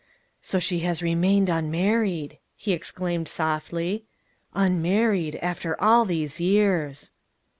"So she has remained unmarried!" he exclaimed softly. "Unmarried after all these years!"